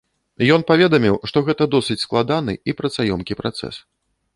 Ён паведаміў, што гэта досыць складаны і працаёмкі працэс.